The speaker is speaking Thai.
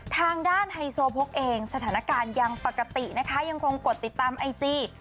ไฮโซโพกเองสถานการณ์ยังปกตินะคะยังคงกดติดตามไอจี